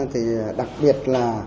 thì đặc biệt là